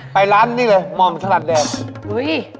ไปร้านนี้เลยมอมสลัดแดง